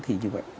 thì như vậy